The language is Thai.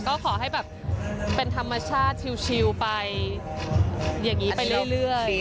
ก็ขอให้แบบเป็นธรรมชาติชิวไปอย่างนี้ไปเรื่อย